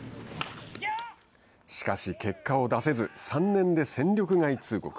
しかし、結果を出せず３年で戦力外通告。